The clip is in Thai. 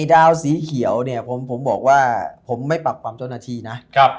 ดาวสีเขียวเนี่ยผมบอกว่าผมไม่ปรับความเจ้าหน้าที่นะ